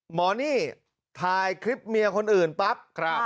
หมอนี่ถ่ายคลิปเมียคนอื่นปั๊บ